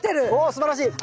すばらしい。